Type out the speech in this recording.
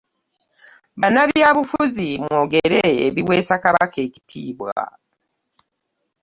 "Bannabyabufuzi mwogere ebiweesa Kabaka ekitiibwa.